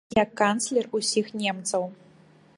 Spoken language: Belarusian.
Я канцлер усіх немцаў.